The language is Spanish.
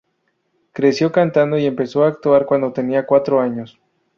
Creció cantando y empezó a actuar cuando tenía cuatro años.